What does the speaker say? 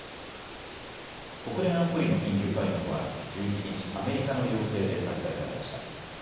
国連安保理の緊急会合は１１日、アメリカの要請で開催されました。